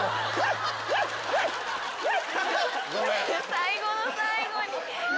最後の最後に。